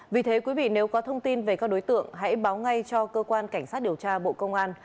vì thế quý vị nếu có thông tin về các đối tượng hãy báo ngay cho cơ quan cảnh sát điều tra bộ công an